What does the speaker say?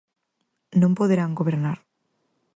Non poderán gobernar.